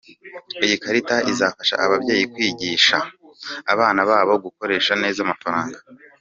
Iyi karita izafasha ababyeyi kwigisha abana babo gukoresha neza amafaranga.